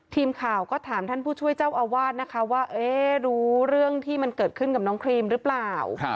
ทีมข่าวก็ถามท่านผู้ช่วยเจ้าอาวาสนะคะว่ารู้เรื่องที่มันเกิดขึ้นกับน้องครีมหรือเปล่า